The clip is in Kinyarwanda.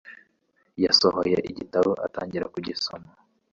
Yasohoye igitabo atangira kugisoma.